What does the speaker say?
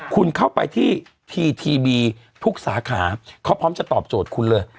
คุณเข้าไปที่ทีวีทุกสาขาเขาพร้อมจะตอบโจทย์คุณเลย